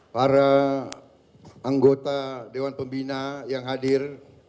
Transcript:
para anggota dewan pembina yang hadir